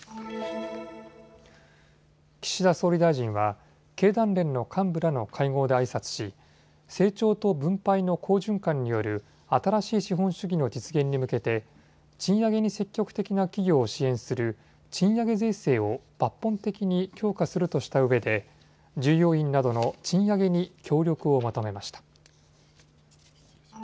岸田総理大臣は経団連の幹部らの会合であいさつし成長と分配の好循環による新しい資本主義の実現に向けて賃上げに積極的な企業を支援する賃上げ税制を抜本的に強化するとしたうえで従業員などの賃上げに協力を求めました。